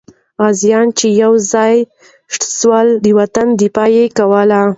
غازیان چې یو ځای سول، د وطن دفاع یې کوله.